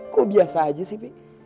kok biasa aja sih pak